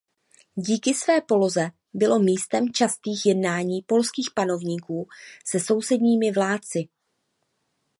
Díky své poloze bylo místem častých jednání polských panovníků se sousedními vládci.